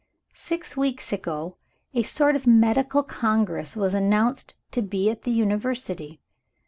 "Six weeks ago, a sort of medical congress was announced to be at the University.